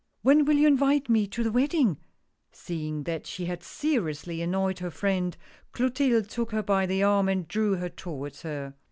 When will you invite me to the wedding ?" Seeing that she had seriously annoyed her friend, Clotilde took her by the arm and drew her towards her.